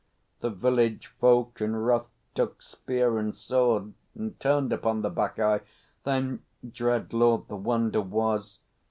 The village folk in wrath took spear and sword, And turned upon the Bacchae. Then, dread Lord, The wonder was.